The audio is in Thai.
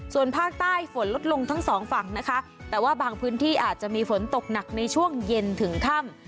ส่วนภาคใต้ฝนลดลงทั้งสองฝั่งนะคะแต่ว่าบางพื้นที่อาจจะมีฝนตกหนักในช่วงเย็นถึงค่ำ